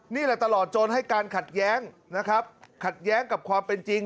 นี่แหละตลอดจนให้การขัดแย้งนะครับขัดแย้งกับความเป็นจริง